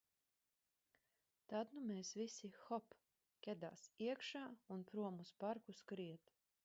Tad nu mēs visi – hop – kedās iekšā un prom uz parku skriet.